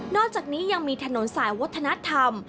อกจากนี้ยังมีถนนสายวัฒนธรรม